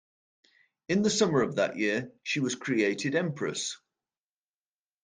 In the summer of that year, she was created empress.